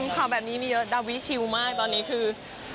ข่าวแบบนี้มีเยอะดาวิชิวมากตอนนี้คือ